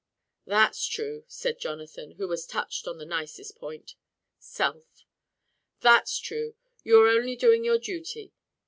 "That's true," said Jonathan, who was touched on the nicest point self; "that's true, you are only a doing your duty.